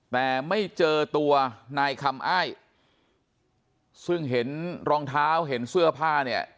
แต่ไม่เจอตัวนายคำอ้ายซึ่งเห็นรองเท้าเห็นเสื้อผ้าเนี่ย